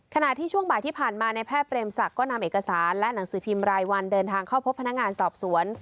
ขณะที่ช่วงบ่ายที่ผ่านมาในแพทย์เปรมศักดิ์ก็นำเอกสารและหนังสือพิมพ์รายวันเดินทางเข้าพบพนักงานสอบสวน